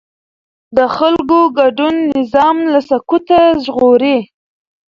د خلکو ګډون نظام له سقوطه ژغوري